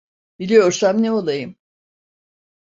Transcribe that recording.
Biliyorsam ne olayım.